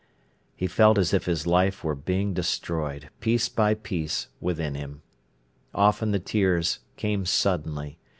He felt as if his life were being destroyed, piece by piece, within him. Often the tears came suddenly.